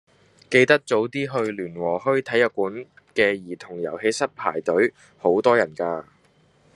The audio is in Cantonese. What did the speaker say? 記得早啲去聯和墟體育館嘅兒童遊戲室排隊，好多人㗎。